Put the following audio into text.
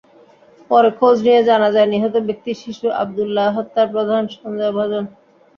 পরে খোঁজ নিয়ে জানা যায়, নিহত ব্যক্তি শিশু আবদুল্লাহ হত্যার প্রধান সন্দেহভাজন।